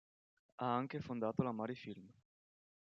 Ha anche fondato la Mari Film.